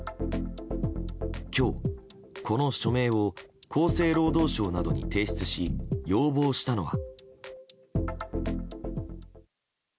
今日、この署名を厚生労働省などに提出し要望したのは。